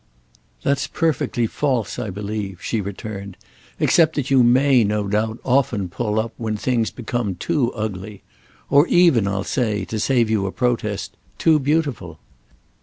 "That's perfectly false, I believe," she returned—"except that you may, no doubt, often pull up when things become too ugly; or even, I'll say, to save you a protest, too beautiful.